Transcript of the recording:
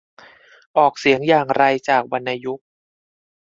ออกเสียงอย่างไรจากวรรณยุกต์